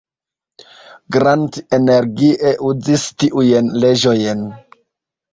Grant energie uzis tiujn leĝojn.